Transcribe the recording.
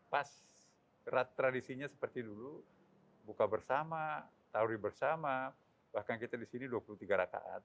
pas tradisinya seperti dulu buka bersama tawri bersama bahkan kita di sini dua puluh tiga rakaat